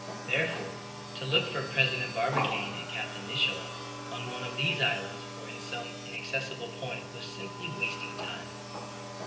Therefore, to look for President Barbicane and Capt. Nicholl on one of these islands or in some inaccessible point was simply wasting time.